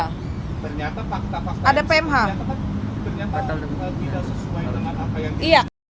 sebelumnya adalah bisa dipastikan tidak sah kan maksudnya kaya ternyata faktanya ada pmh